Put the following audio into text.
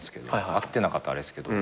合ってなかったらあれですけど。